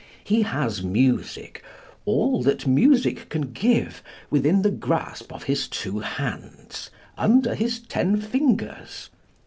He has music, all that music can give, within the grasp of his two hands, under his ten fingers.